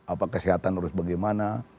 apa kesehatan harus bagaimana